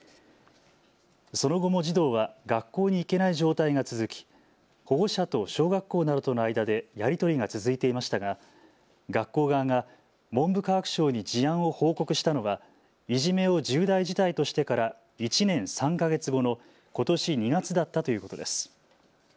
その後も児童は学校に行けない状態が続き保護者と小学校などとの間でやり取りが続いていましたが学校側が文部科学省に事案を報告したのはいじめを重大事態としてから１年３か月後のことし２月だったということです。